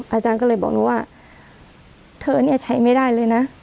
อาจารย์ก็เลยบอกหนูว่าเธอเนี่ยใช้ไม่ได้เลยนะ